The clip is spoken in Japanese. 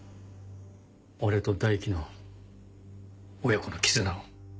俺と大樹の親子の絆を。